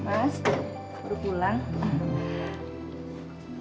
mas baru pulang